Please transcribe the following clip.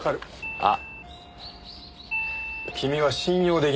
あっ。